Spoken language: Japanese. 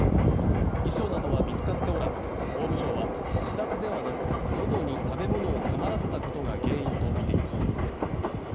遺書などは見つかっておらず法務省は自殺ではなく、のどに食べ物を詰まらせたことが原因とみています。